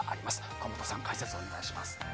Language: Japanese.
岡本さん、解説お願いします。